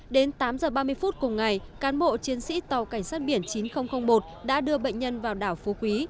đến tám h ba mươi phút cùng ngày cán bộ chiến sĩ tàu cảnh sát biển chín nghìn một đã đưa bệnh nhân vào đảo phú quý